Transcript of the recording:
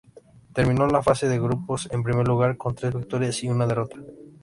Terminó la fase de grupos en primer lugar, con tres victorias y una derrota.